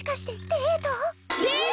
デート！？